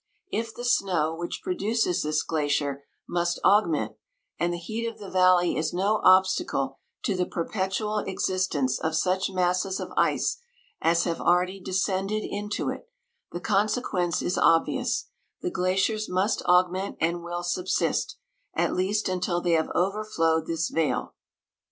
If the snow which pro duces this glacier must augment, and the heat of the valley is no obstacle to the perpetual existence of such masses of ice as have already descended into it, the consequence is obvious ; the gla ciers must augment and will subsist, at least until they have overflowed this vale.